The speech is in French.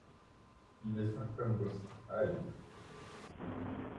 Il est sain comme vostre œil.